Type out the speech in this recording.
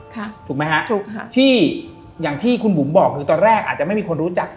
ถูกไหมฮะถูกค่ะที่อย่างที่คุณบุ๋มบอกคือตอนแรกอาจจะไม่มีคนรู้จัก